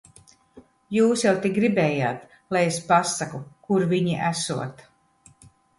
Jūs jau tik gribējāt, lai es pasaku, kur viņi esot.